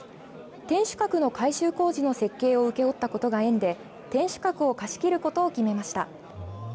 天守閣の改修工事の設計を請負ったことが縁で天守閣を貸し切ることを決めました。